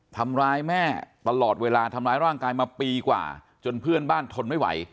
ทำร้ายแม่ตลอดเวลาทำร้ายร่างกายมาปีกว่าจนเพื่อนบ้านทนไม่ไหว